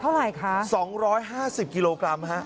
เท่าไหร่ค่ะสองร้อยห้าสิบกิโลกรัมฮะ